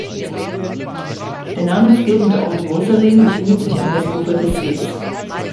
Der namensgebende Ort Woserin befindet sich am Westufer des Sees.